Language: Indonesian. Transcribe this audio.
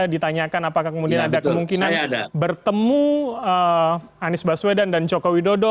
ditanyakan apakah kemudian ada kemungkinan bertemu anies baswedan dan joko widodo